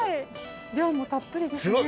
量もたっぷりですね。